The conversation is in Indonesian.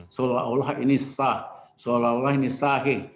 seolah olah ini sah seolah olah ini sahih